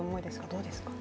どうですか？